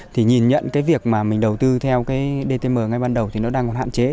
thì nhìn nhận cái việc mà mình đầu tư theo cái dtm ngay ban đầu thì nó đang còn hạn chế